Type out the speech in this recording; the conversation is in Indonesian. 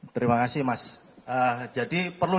terima kasih mas jadi perlu